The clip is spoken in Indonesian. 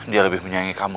dia lebih menyayangi kamu